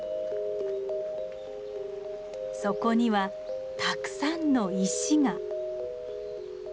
そこにはたくさんの石が。